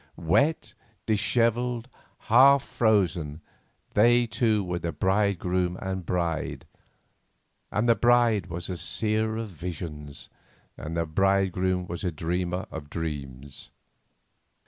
Wet, dishevelled, half frozen, they two were the bride groom and the bride, and the bride was a seer of visions, and the bridegroom was a dreamer of dreams.